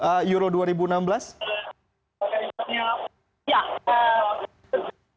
seperti saya barusan bilang